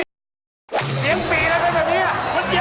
เสียงพี่เลยเป็นแบบนี้